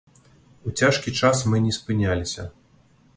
У цяжкі час мы не спыняліся.